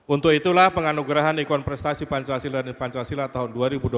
untuk itulah penganugerahan ikon prestasi pancasila tahun dua ribu dua puluh tiga